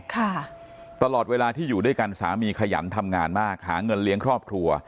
ตลอดเวลาที่อยู่ด้วยกันสามีขยันทำงานมากหาเงินเลี้ยงครอบครัว